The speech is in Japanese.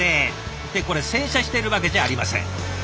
ってこれ洗車してるわけじゃありません。